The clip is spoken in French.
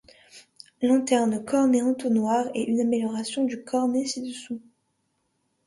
L'antenne cornet-entonnoir est une amélioration du cornet ci-dessus.